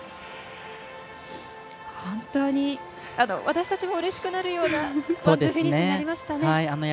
本当に私たちもうれしくなるようなワンツーフィニッシュになりましたね。